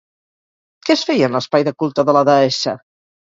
Què es feia en l'espai de culte de la deessa?